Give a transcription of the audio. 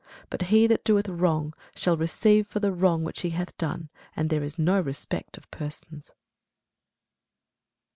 But he that doeth wrong shall receive for the wrong which he hath done: and there is no respect of persons.